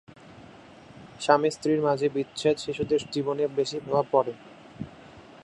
স্বামী-স্ত্রীর মাঝে বিচ্ছেদ শিশুদের জীবনে বেশি প্রভাব পড়ে।